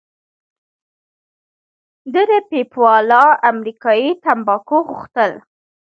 ده د پیپ والا امریکايي تمباکو غوښتل.